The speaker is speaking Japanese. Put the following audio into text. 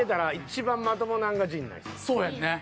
そうやんね。